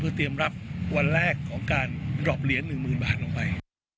เพื่อเตรียมรับวันแรกของการรอบเหรียญ๑หมื่นบาทลงไป